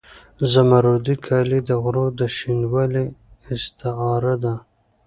زمردي کالي د غرو د شینوالي استعاره ده.